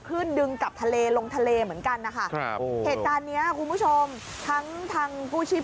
ดึงกลับทะเลลงทะเลเหมือนกันนะคะครับเหตุการณ์เนี้ยคุณผู้ชมทั้งทางกู้ชีพ